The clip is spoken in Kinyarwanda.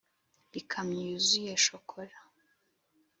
ikamyo yuzuye shokora.